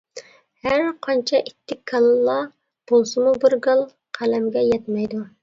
ھەر قانچە ئىتتىك كاللا بولسىمۇ، بىر گال قەلەمگە يەتمەيدۇ.